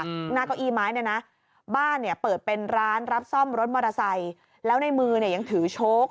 หน้าเก้าอี้ไม้เนี่ยนะบ้านเนี่ยเปิดเป็นร้านรับซ่อมรถมอเตอร์ไซค์